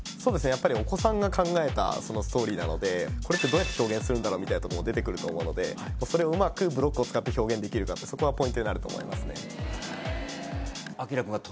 やっぱりお子さんが考えたストーリーなのでこれってどうやって表現するんだろうみたいなとこも出てくると思うのでそれをうまくブロックを使って表現できるかってそこがポイントになると思いますね